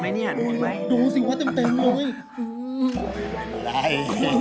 มึงตาย